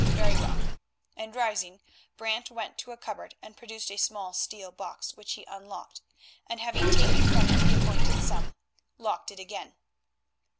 Very well," and, rising, Brant went to a cupboard and produced a small steel box, which he unlocked; and, having taken from it the appointed sum, locked it again.